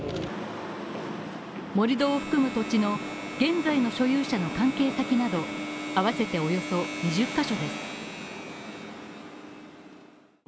盛り土を含む土地の現在の所有者の関係先など合わせておよそ２０ヶ所。